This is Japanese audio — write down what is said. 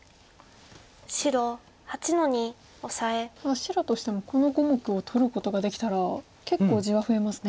ただ白としてもこの５目を取ることができたら結構地は増えますね。